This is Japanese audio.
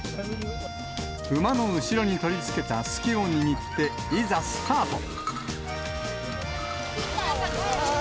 うまの後ろに取り付けたすきを握って、いざ、スタート。